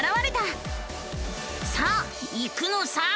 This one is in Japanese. さあ行くのさ！